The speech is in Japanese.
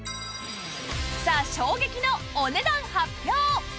さあ衝撃のお値段発表！